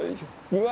うわ！